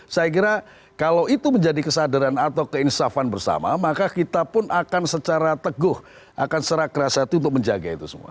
saya kira kalau itu menjadi kesadaran atau keinsafan bersama maka kita pun akan secara teguh akan serah keras hati untuk menjaga itu semua